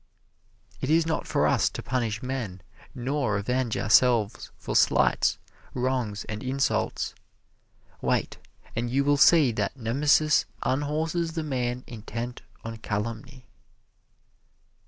It is not for us to punish men nor avenge ourselves for slights, wrongs and insults wait, and you will see that Nemesis unhorses the man intent on calumny.